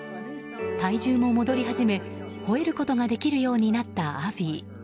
体重も戻り始め吠えることができるようになったアビー。